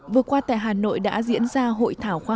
vừa qua tại hà nội đã diễn ra hội thảo khoa học